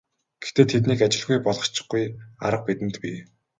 Гэхдээ тэднийг ажилгүй болгочихгүй арга бидэнд бий.